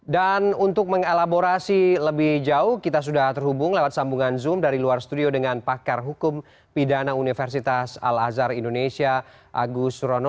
dan untuk mengelaborasi lebih jauh kita sudah terhubung lewat sambungan zoom dari luar studio dengan pakar hukum pidana universitas al azhar indonesia agus rono